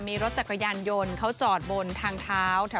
มีรถจักรยานยนต์เขาจอดบนทางเท้า